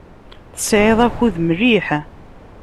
Tesɛiḍ akud mliḥ.